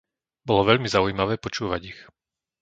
Bolo veľmi zaujímavé počúvať ich.